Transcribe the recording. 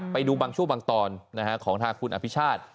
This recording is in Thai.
ไปดูบางช่วงบางตอนของทางคุณอภิชาติ